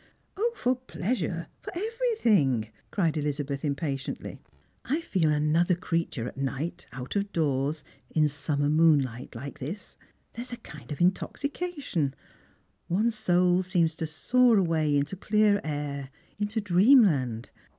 " 0, for pleasure, for everything !" cried Elizabeth impatiently. " I feel another creature at night, out of doors, in summer moonlight like this. There is a kind of intoxication : one's soul seems to soar away into clearer air, into dreamland.